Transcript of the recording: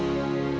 sampai jumpa lagi